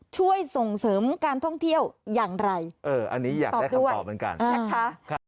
ช่วยส่งเสริมการท่องเที่ยวอย่างไรเอออันนี้อยากได้คำตอบเหมือนกันนะคะ